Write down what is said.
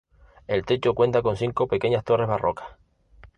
El techo cuenta con cinco pequeñas torres barrocas.